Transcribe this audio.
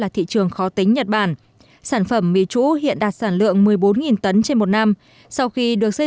trong khó tính nhật bản sản phẩm mì trũ hiện đạt sản lượng một mươi bốn tấn trên một năm sau khi được xây